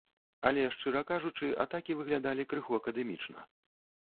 Але, шчыра кажучы, атакі выглядалі крыху акадэмічна.